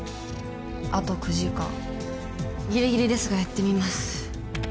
あと９時間ギリギリですがやってみます